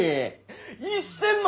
１，０００万